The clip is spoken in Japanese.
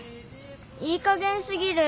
いいかげんすぎる！